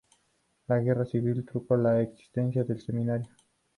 La Guerra Civil truncó la existencia del Seminario.